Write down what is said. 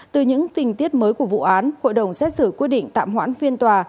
từ những tình tiết mới của vụ án hội đồng xét xử quyết định tạm hoãn phiên tòa